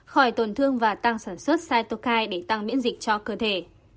khỏi tổn thương và tăng sản xuất sitokhail để tăng miễn dịch cho cơ thể